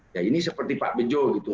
ya ini seperti pak bejo gitu